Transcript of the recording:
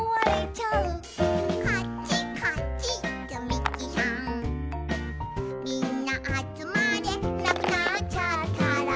みんなあつまれ」「なくなっちゃったら」